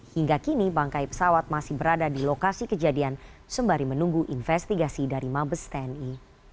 hingga kini bangkai pesawat masih berada di lokasi kejadian sembari menunggu investigasi dari mabes tni